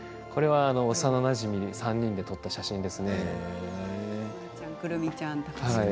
幼なじみ３人で撮った写真です。